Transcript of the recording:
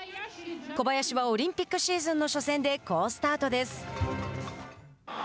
小林はオリンピックシーズンの初戦で好スタートです。